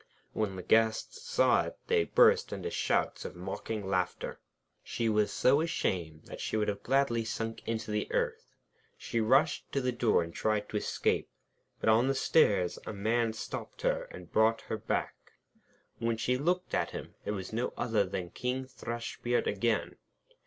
When the guests saw it, they burst into shouts of mocking laughter. She was so ashamed, that she would gladly have sunk into the earth. She rushed to the door, and tried to escape, but on the stairs a Man stopped her and brought her back. When she looked at him, it was no other than King Thrushbeard again.